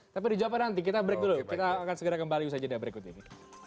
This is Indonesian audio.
tapi dijawabkan nanti kita break dulu kita akan segera kembali usaha jeda berikut ini